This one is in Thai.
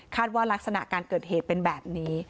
ว่ารักษณะการเกิดเหตุเป็นแบบนี้